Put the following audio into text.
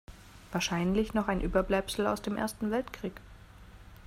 Wahrscheinlich noch ein Überbleibsel aus dem Ersten Weltkrieg.